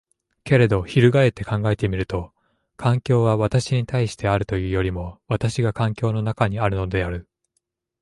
けれど翻って考えてみると、環境は私に対してあるというよりも私が環境の中にあるのである。